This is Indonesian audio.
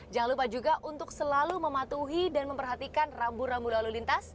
jangan lupa juga untuk selalu mematuhi dan memperhatikan rambu rambu lalu lintas